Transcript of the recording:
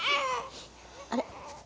あれ？